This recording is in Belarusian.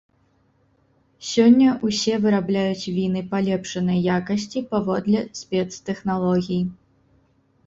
Сёння ўсе вырабляюць віны палепшанай якасці паводле спецтэхналогій.